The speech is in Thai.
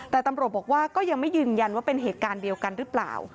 แต่ตำรวจบอกว่าก็ยังไม่ยืนยันว่าเป็นเหตุการณ์เดียวกันหรือเปล่า